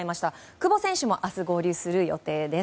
久保選手も明日合流する予定です。